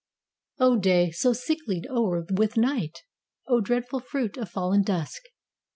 O day, so sicklied o'er with night! O dreadful fruit of fallen dusk!